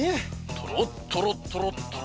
とろっとろとろとろ。